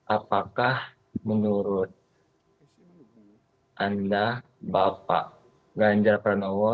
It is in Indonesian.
apakah menurut anda bapak ganjar pranowo